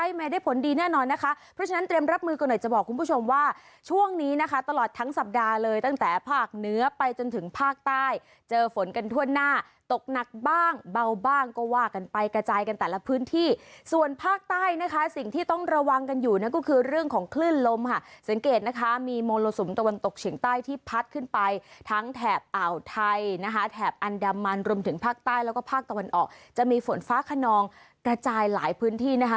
เปิดอะไรไม่ได้ผลดีแน่นอนนะคะเพราะฉะนั้นเตรียมรับมือกันหน่อยจะบอกคุณผู้ชมว่าช่วงนี้นะคะตลอดทั้งสัปดาห์เลยตั้งแต่ภาคเนื้อไปจนถึงภาคใต้เจอฝนกันทั่วหน้าตกหนักบ้างเบาบ้างก็ว่ากันไปกระจายกันแต่ละพื้นที่ส่วนภาคใต้นะคะสิ่งที่ต้องระวังกันอยู่นะก็คือเรื่องของคลื่นลมค่ะสังเกตนะคะมีโมโล